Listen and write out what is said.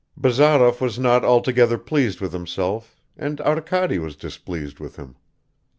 Bazarov was not altogether pleased with himself, and Arkady was displeased with him.